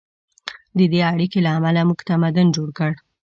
د دې اړیکې له امله موږ تمدن جوړ کړ.